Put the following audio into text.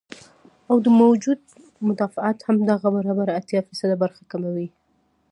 او د وجود مدافعت هم دغه بره اتيا فيصده برخه کموي